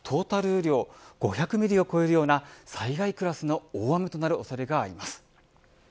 雨量５００ミリを超えるような最大クラスの大雨となる恐れがあります。